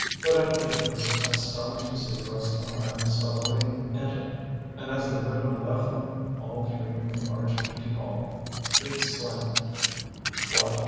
But Étienne was astonished to see Rasseneur and Souvarine enter; and as the widow left them all three in the large empty hall he exclaimed: "What!